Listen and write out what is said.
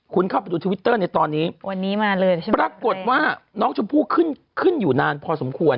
คุณเข้าไปดูทวิตเตอร์ในตอนนี้วันนี้มาเลยใช่ไหมปรากฏว่าน้องชมพู่ขึ้นขึ้นอยู่นานพอสมควร